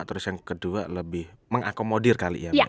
terus yang kedua lebih mengakomodir kali ya